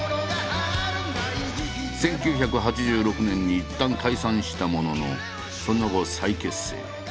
１９８６年にいったん解散したもののその後再結成。